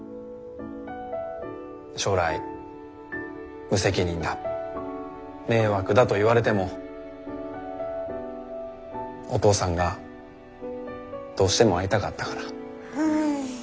将来無責任だ迷惑だと言われてもお父さんがどうしても会いたかったから。